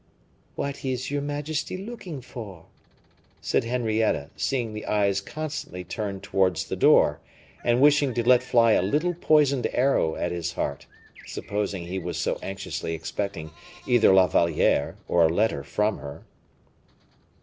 "What is your majesty looking for?" said Henrietta, seeing the king's eyes constantly turned towards the door, and wishing to let fly a little poisoned arrow at his heart, supposing he was so anxiously expecting either La Valliere or a letter from her.